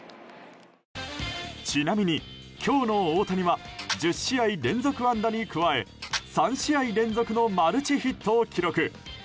ちなみに、今日の大谷は１０試合連続安打に加え３試合連続のマルチヒットを記録。